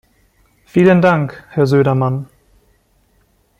Vielen Dank, Herr Söderman.